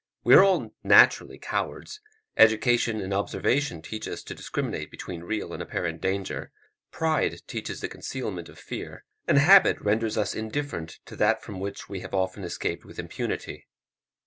We are all naturally cowards: education and observation teach us to discriminate between real and apparent danger; pride teaches the concealment of fear, and habit renders us indifferent to that from which we have often escaped with impunity.